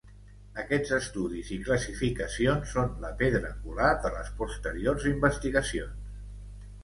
Aquests estudis i classificacions són la pedra angular de les posteriors investigacions.